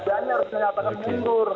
dia harus menyatakan mundur